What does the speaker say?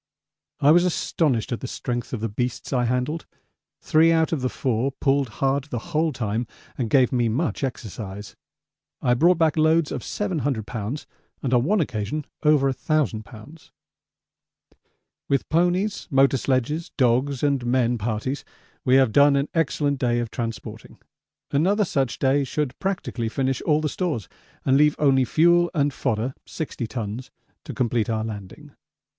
I was astonished at the strength of the beasts I handled; three out of the four pulled hard the whole time and gave me much exercise. I brought back loads of 700 lbs. and on one occasion over 1000 lbs. With ponies, motor sledges, dogs, and men parties we have done an excellent day of transporting another such day should practically finish all the stores and leave only fuel and fodder (60 tons) to complete our landing.